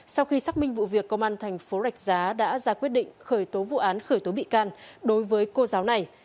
sau khi xác minh vụ việc công an thành phố rạch giá đã ra quyết định khởi tố vụ án khởi tố bị can đối với cô giáo này